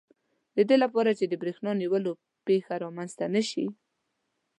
د دې لپاره چې د بریښنا نیولو پېښه رامنځته نه شي.